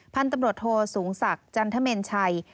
พันธุ์ตำรวจโทสูงศักดิ์จันทเมนชัย